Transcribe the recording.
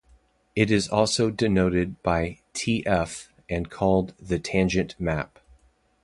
It is also denoted by "Tf" and called the tangent map.